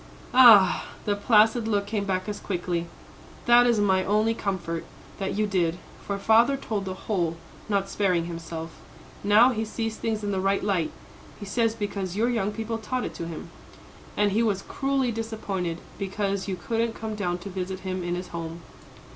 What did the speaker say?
"Ah," the placid look came back as quickly "that is my only comfort that you did. For father told the whole, not sparing himself. Now he sees things in the right light; he says because your young people taught it to him. And he was cruelly disappointed because you couldn't come down to visit him in his home."